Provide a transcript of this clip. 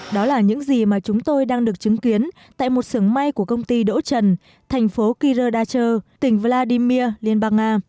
đó là những gì mà chúng tôi đang được chứng kiến tại một sưởng may của công ty đỗ trần thành phố kirdacher tỉnh vladimir liên bang nga